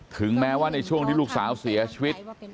ถึงแม้ว่าในช่วงที่ลูกสาวเสียชีวิต